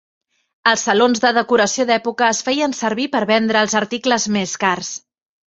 Els salons de decoració d'època es feien servir per vendre els articles més cars.